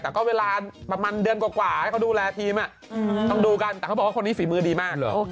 แต่ก็เวลาประมาณเดือนกว่าให้เขาดูแลทีมต้องดูกันแต่เขาบอกว่าคนนี้ฝีมือดีมากเหรอ